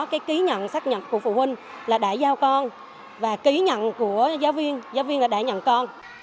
cái ký nhận xác nhận của phụ huynh là đại giao con và ký nhận của giáo viên giáo viên là đại nhận con